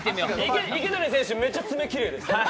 池谷選手、めっちゃ爪きれいです。